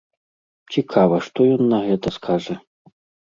Цікава, што ён на гэта скажа.